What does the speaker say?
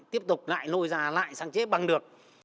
tiếp tục lại nôi ra lại sáng chế bằng được